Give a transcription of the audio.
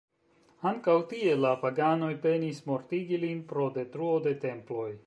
Ankaŭ tie la paganoj penis mortigi lin pro detruo de temploj.